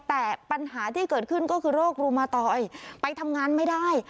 แต่ปัญหาที่เกิดขึ้นก็คือโรครุมาตอยไปทำงานไม่ได้